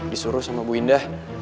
disuruh sama bu indah